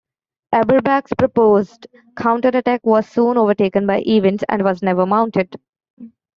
Eberbach's proposed counter-attack was soon overtaken by events, and was never mounted.